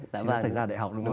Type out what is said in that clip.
thì nó xảy ra đại học đúng không